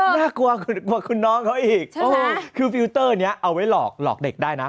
น่ากลัวคุณน้องเขาอีกคือฟิลเตอร์นี้เอาไว้หลอกหลอกเด็กได้นะ